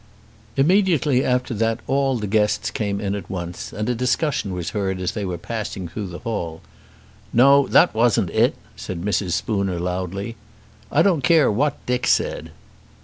Immediately after that all the guests came in at once, and a discussion was heard as they were passing through the hall. "No; that wasn't it," said Mrs. Spooner loudly. "I don't care what Dick said."